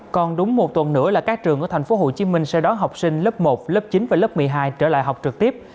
còn đúng một tuần nữa là các trường ở tp hcm sẽ đón học sinh lớp một lớp chín và lớp một mươi hai trở lại học trực tiếp